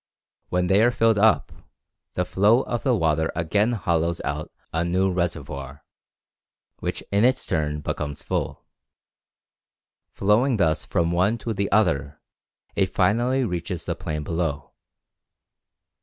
When they are filled up, the flow of the water again hollows out a new reservoir, which in its turn becomes full. Flowing thus from one to the other, it finally reaches the plain below.